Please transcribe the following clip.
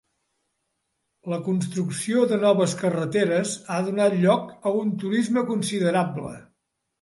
La construcció de noves carreteres ha donat lloc a un turisme considerable.